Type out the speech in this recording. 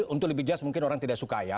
untuk lebih jelas mungkin orang tidak suka ya